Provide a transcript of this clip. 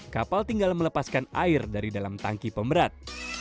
kapal tinggal melepaskan air dari dalam tangki pemberat